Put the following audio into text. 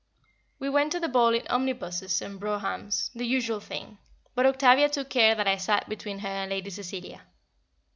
We went to the ball in omnibuses and broughams, the usual thing; but Octavia took care that I sat between her and Lady Cecilia.